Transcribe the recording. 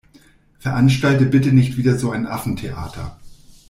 Veranstalte bitte nicht wieder so ein Affentheater.